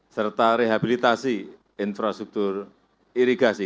serta rehabilitasi infrastruktur irigasi